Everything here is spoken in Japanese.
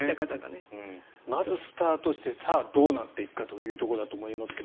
まずスタートしてどうなっていくかということだと思いますが。